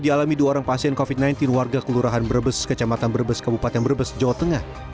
dialami dua orang pasien covid sembilan belas warga kelurahan brebes kecamatan brebes kabupaten brebes jawa tengah